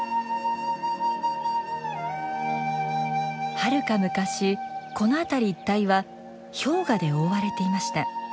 はるか昔このあたり一体は氷河で覆われていました。